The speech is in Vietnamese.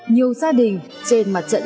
nhiều gia đình trên mặt trận